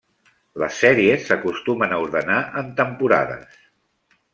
Les sèries s'acostumen a ordenar en temporades.